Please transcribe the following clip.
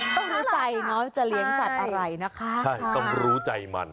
ต้องรู้ใจเนอะจะเลี้ยงสัตว์อะไรนะคะใช่ต้องรู้ใจมัน